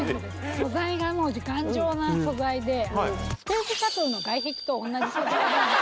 素材がもう頑丈な素材でスペースシャトルの外壁と同じ素材なんです